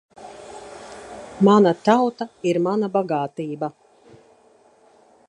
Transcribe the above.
Mana tauta ir mana bagātība.